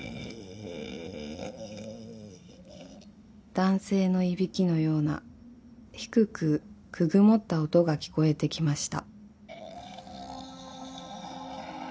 ・［男性のいびきのような低くくぐもった音が聞こえてきました］・・・